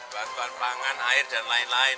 bantuan pangan air dan lain lain